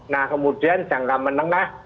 nah kemudian jangka menengah